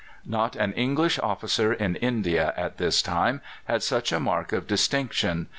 Not an English officer in India at this time had such a mark of distinction.